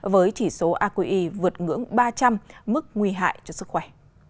với chỉ số aqi vượt ngưỡng ba trăm linh mức nguy hại cho sức khỏe